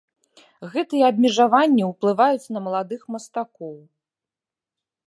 Гэтыя абмежаванні ўплываюць на маладых мастакоў.